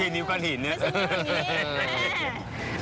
ไม่ใช่นิ้วกลางถีนเนี่ย